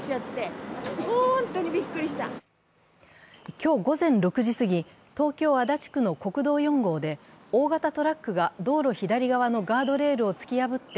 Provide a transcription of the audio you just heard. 今日午前６時過ぎ、東京・足立区の国道４号で大型トラックが道路左側のガードレールを突き破って